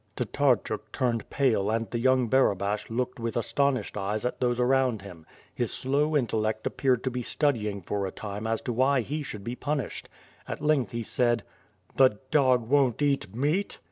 Tatarchuk turned pale and the young Barabash looked with astonished eyes at those around him. His slow intellect ap peared to be studying for a time as to why he should be pun ished. At length he said: "The dog won't eat meat!"